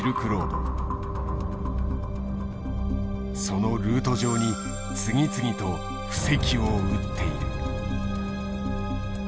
そのルート上に次々と布石を打っている。